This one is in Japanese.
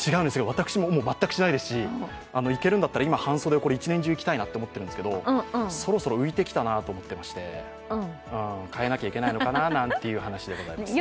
私も全くしないですしいけるんだったら半袖を１年中いきたいなと思ってるんですけど、そろそろ浮いてきたなと思っていまして、変えなきゃいけないなのかななんていう話です。